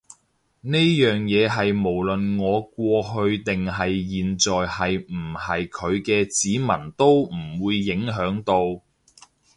呢樣嘢係無論我過去定係現在係唔係佢嘅子民都唔會影響到